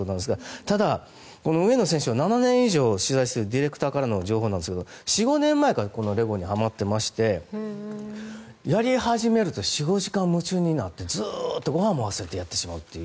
ただ、上野選手を７年以上取材しているディレクターからの情報ですが４５年前からレゴにハマっていましてやり始めると４５時間夢中になってずっとごはんも忘れてやってしまうという。